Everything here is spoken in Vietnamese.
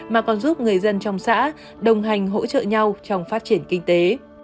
mà còn giúp người dân trong xã đồng hành hỗ trợ nhau trong phát triển kinh tế